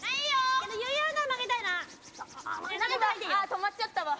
止まっちゃったわ。